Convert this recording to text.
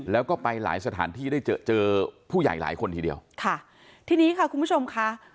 แล้วก็ไปหลายสถานที่ได้เจอเจอผู้ใหญ่หลายคนทีเดียวค่ะทีนี้ค่ะคุณผู้ชมค่ะ